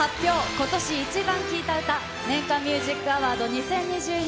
今年イチバン聴いた歌年間ミュージックアワード２０２２。